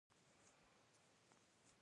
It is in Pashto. د غزني په واغظ کې د مسو نښې شته.